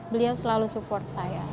dia selalu support saya